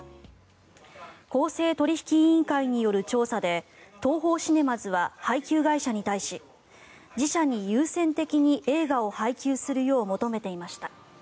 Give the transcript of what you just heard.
公正取引委員会による調査でＴＯＨＯシネマズは配給会社に対し自社に優先的に映画を配給するよう求めていました。